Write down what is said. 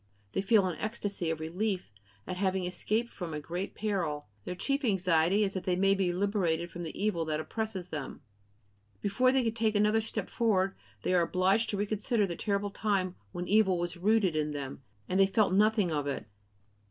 They feel an ecstasy of relief at having escaped from a great peril; their chief anxiety is that they may be liberated from the evil that oppresses them. Before they can take another step forward they are obliged to reconsider the terrible time when evil was rooted within them, and they felt nothing of it.